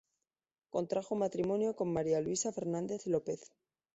Contrajo matrimonio con María Luisa Fernández López.